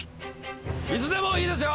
いつでもいいですよ。